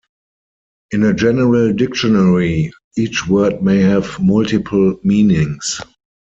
In a general dictionary, each word may have multiple meanings.